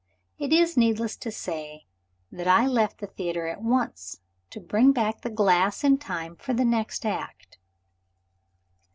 It is needless to say that I left the theater at once to bring back the glass in time for the next act.